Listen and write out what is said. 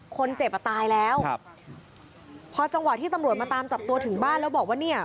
คนเจ็บอ่ะตายแล้วครับพอจังหวะที่ตำรวจมาตามจับตัวถึงบ้านแล้วบอกว่าเนี่ย